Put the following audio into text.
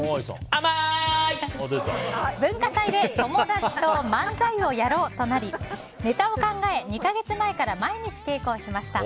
文化祭で友達と漫才をやろうとなりネタを考え２か月前から毎日、稽古をしました。